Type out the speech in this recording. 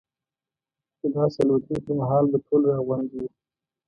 د داسې الوتنې پر مهال به ټول راغونډ وو.